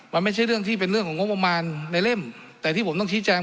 มันไม่ใช่เรื่องที่เป็นเรื่องของงบประมาณในเล่มแต่ที่ผมต้องชี้แจง